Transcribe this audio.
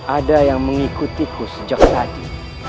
ada yang mengikutiku sejak tadi